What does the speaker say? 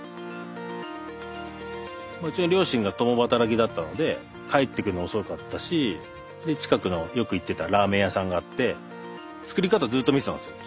うちの両親が共働きだったので帰ってくるの遅かったし近くのよく行ってたラーメン屋さんがあって作り方をずっと見てたんですよ